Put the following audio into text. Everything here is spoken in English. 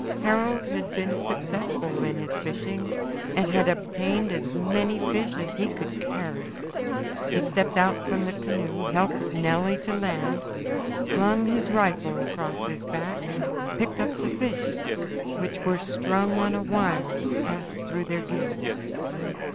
Harold had been successful in his fishing and had obtained as many fish as he could carry. He stepped out from the canoe, helped Nelly to land, slung his rifle across his back, and picked up the fish, which were strung on a withe passed through their gills.